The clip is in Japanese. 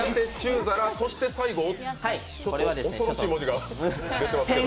最後、恐ろしい文字が出てますけど。